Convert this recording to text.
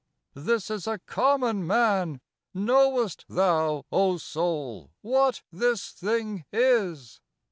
'This is a common man: knowest thou, O soul, What this thing is?